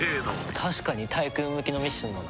確かにタイクーン向きのミッションだな。